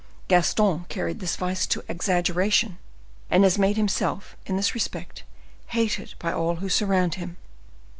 Gaston carried this vice to exaggeration, and has made himself, in this respect, hated by all who surround him.